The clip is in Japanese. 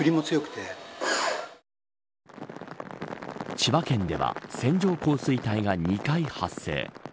千葉県では線状降水帯が２回発生。